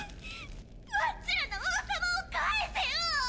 わっちらの王様を返せよ！